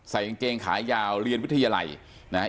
กางเกงขายาวเรียนวิทยาลัยนะฮะ